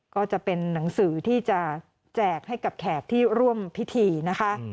ก็จะเป็นหนังสือที่จะแจกให้กับแขกที่ร่วมพิธีนะคะ